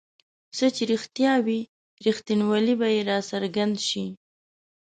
څه چې رښتیا وي رښتینوالی به یې راڅرګند شي.